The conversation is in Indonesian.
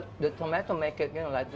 tapi tomatnya membuatnya seperti